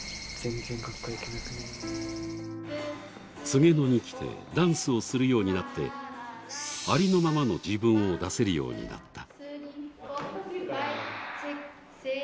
黄柳野に来てダンスをするようになってありのままの自分を出せるようになった。